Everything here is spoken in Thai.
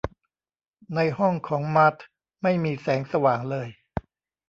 ในห้องของมาร์ธไม่มีแสงสว่างเลย